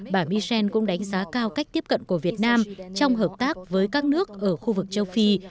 bà michel cũng đánh giá cao cách tiếp cận của việt nam trong hợp tác với các nước ở khu vực châu phi